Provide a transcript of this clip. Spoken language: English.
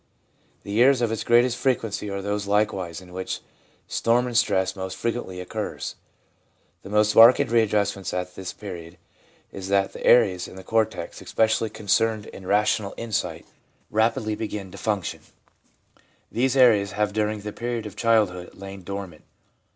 The years of its greatest frequency are those likewise in which storm and stress most frequently occurs. The most marked readjustment at this period is that the areas in the cortex especially concerned in rational insight rapidly begin to 228 THE PSYCHOLOGY OF RELIGION function. These areas have during the period of child hood lain dormant.